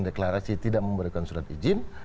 deklarasi tidak memberikan surat izin